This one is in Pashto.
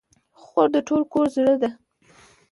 خور د ټول کور زړه ده.